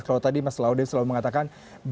kalau tadi mas laude selalu mengatakan